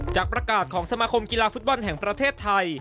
จากประกาศของสมาคมกีฬาฟุตบอลแห่งประเทศไทย